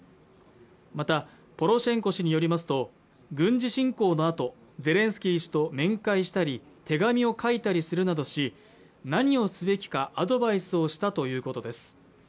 またポロシェンコ氏によりますと軍事侵攻のあとゼレンスキー氏と面会したり手紙を書いたりするなどし何をすべきかアドバイスをしたということです